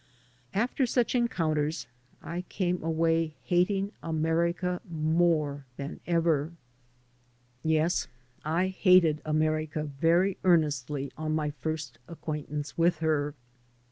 After such encoimters I came away hating America more than ever. Yes, I hated America very earnestly on my first acquaintance with her.